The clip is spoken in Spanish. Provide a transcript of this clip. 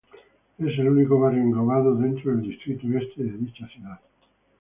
Es el único barrio englobado dentro del Distrito Este de dicha ciudad.